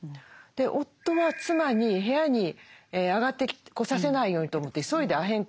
夫は妻に部屋に上がってこさせないようにと思って急いでアヘン